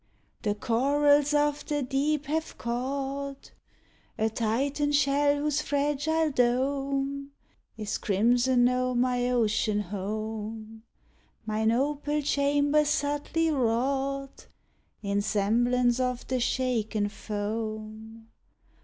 ^he corals of the deep have caught A T^itan shell whose fragile dome 12 DUJNDON Is crimson o'er mine ocean home — Mine opal chambers subtly wrought In semblance of. the shaken foam.